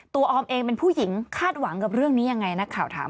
ออมเองเป็นผู้หญิงคาดหวังกับเรื่องนี้ยังไงนักข่าวถาม